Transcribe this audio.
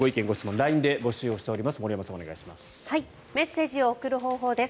ＬＩＮＥで募集しています。